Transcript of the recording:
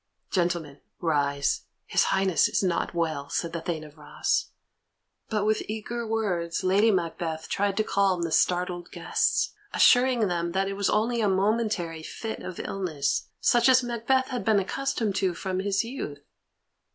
"Gentlemen, rise; his Highness is not well," said the Thane of Ross. But with eager words Lady Macbeth tried to calm the startled guests, assuring them that it was only a momentary fit of illness, such as Macbeth had been accustomed to from his youth.